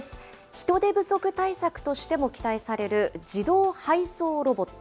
人手不足対策としても期待される自動配送ロボット。